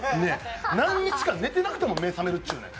何日間寝てなくても目覚めるっちゅうねん。